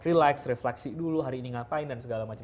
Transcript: relax refleksi dulu hari ini ngapain dan segala macam